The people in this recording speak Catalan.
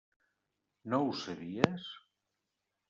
No ho sabies?